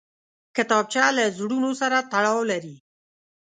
کتابچه له زړونو سره تړاو لري